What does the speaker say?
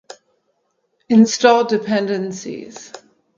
Install dependencies